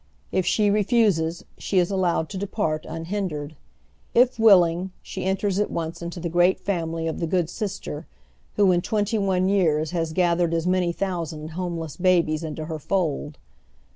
If she refuses, she is allowed to depart unhhidered. If willing, she enters at once into the great family of the good Sister who in twenty one years has gathered as many thousand homeless babies into her fold.